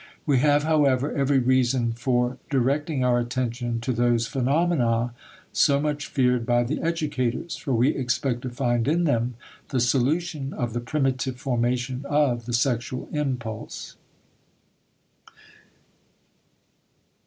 We have, however, every reason for directing our attention to those phenomena so much feared by the educators, for we expect to find in them the solution of the primitive formation of the sexual impulse.